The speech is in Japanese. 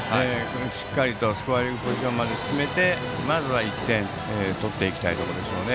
しっかりとスコアリングポジションまで進めてまずは１点取っていきたいところですね。